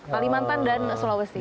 kalimantan dan sulawesi